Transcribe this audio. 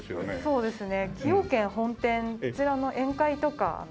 そうですね。